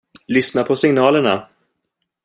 Lyssna på signalerna!